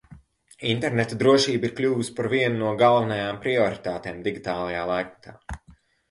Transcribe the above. Interneta drošība ir kļuvusi par vienu no galvenajām prioritātēm digitālajā laikmetā.